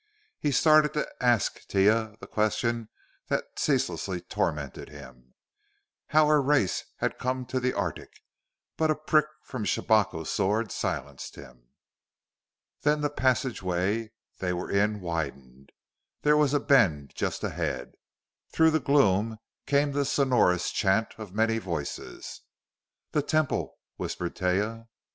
He started to ask Taia the question that ceaselessly tormented him how her race had come to the arctic; but a prick from Shabako's sword silenced him. Then the passageway they were in widened. There was a bend just ahead. Through the gloom came the sonorous chant of many voices. "The Temple!" whispered Taia.